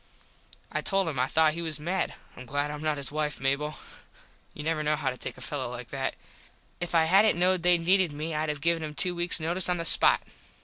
I told him I thought he was mad. Im glad Im not his wife, Mable. You never know how to take a fello like that. If I hadnt knowed they needed me Id have given him two weaks notise on the spot.